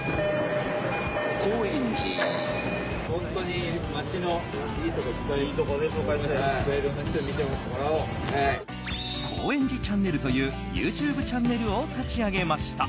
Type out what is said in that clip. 高円寺チャンネルというＹｏｕＴｕｂｅチャンネルを立ち上げました。